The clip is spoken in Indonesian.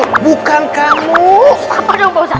kenapa dong gak apa apa ustaz